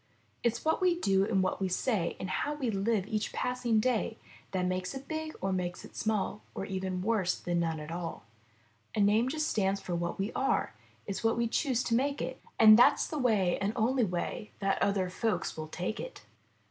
It's what we do and what we say And How we live each passing day That makes it big or makes it small Or even worse than none at alL A name just stands for what we are; It's what we choose to make it. And that's the way and only way That other folks will take it.'